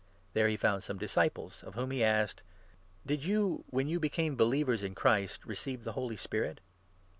There he found some disciples, of whom he 2 asked :" Did you, when you became believers in Christ, receive the Holy Spirit?"